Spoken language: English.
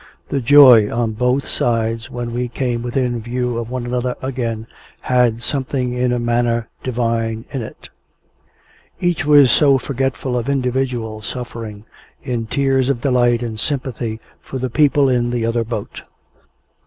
The joy on both sides when we came within view of one another again, had something in a manner Divine in it; each was so forgetful of individual suffering, in tears of delight and sympathy for the people in the other boat.